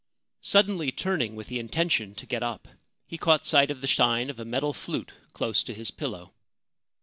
Suddenly turning with the intention to get up, he caught sight of the shine of a metal flute close to his pillow.